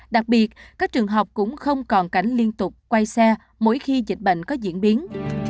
đặc biệt các trường học cũng không còn cảnh liên tục quay xe mỗi khi dịch bệnh có diễn biến